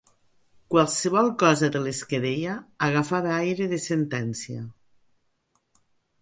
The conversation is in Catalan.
Qualsevol cosa de les que deia agafava aire de sentencia